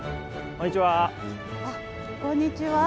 あっこんにちは。